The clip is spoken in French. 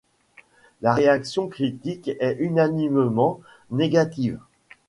La réaction critique est unanimement négative.